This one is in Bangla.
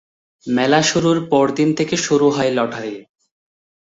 মেলার শুরুর পরদিন থেকে শুরু হয় লটারি।